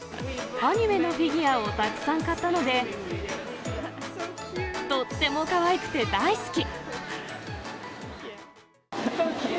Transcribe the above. アニメのフィギュアをたくさん買ったので、とってもかわいくて大好き。